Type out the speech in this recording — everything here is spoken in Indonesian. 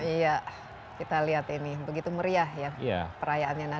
iya kita lihat ini begitu meriah ya perayaannya